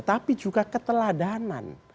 tapi juga keteladanan